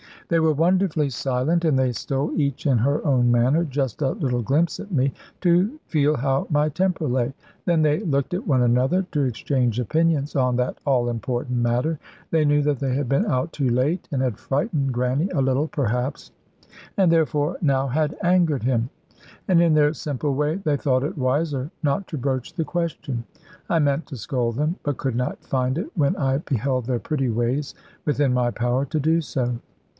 They were wonderfully silent, and they stole (each in her own manner) just a little glimpse at me, to feel how my temper lay; then they looked at one another, to exchange opinions on that all important matter. They knew they had been out too late, and had frightened Granny a little perhaps, and therefore now had angered him. And in their simple way, they thought it wiser not to broach the question. I meant to scold them, but could not find it, when I beheld their pretty ways, within my power to do so.